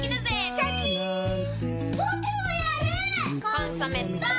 「コンソメ」ポン！